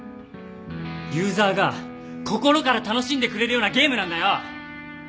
ユーザーが心から楽しんでくれるようなゲームなんだよ！